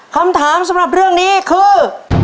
คำถามสำหรับเรื่องนี้คือ